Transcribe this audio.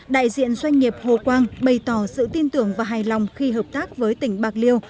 đại diện doanh nghiệp hồ quang bày tỏ sự tin tưởng và hài lòng khi hợp tác với tỉnh bạc liêu